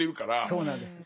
そうなんです。